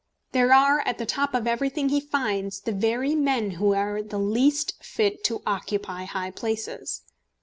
There at the top of everything he finds the very men who are the least fit to occupy high places.